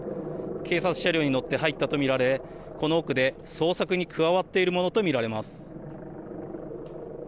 警察車両に乗って入ったとみられこの奥で捜索に加わっているものとみられます。